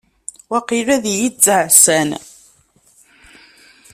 Waqil ad yi-d-ttɛassan.